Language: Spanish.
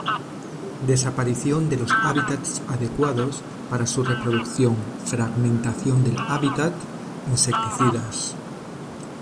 Desaparición de los hábitats adecuados para su reproducción, fragmentación del hábitat, insecticidas.